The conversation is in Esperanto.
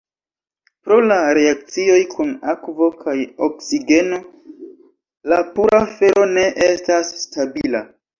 Pro la reakcioj kun akvo kaj oksigeno, la pura fero ne estas stabila.